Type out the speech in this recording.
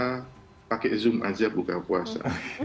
kita pakai zoom aja buka puasa